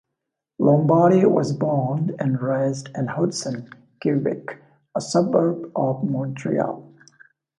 Lombardi was born and raised in Hudson, Quebec, a suburb of Montreal.